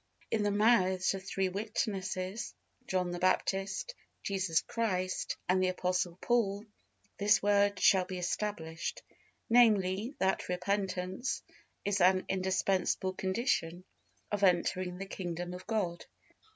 In the mouths of three witnesses John the Baptist, Jesus Christ, and the Apostle Paul this word shall be established, namely, that repentance is an indispensable condition of entering the kingdom of God.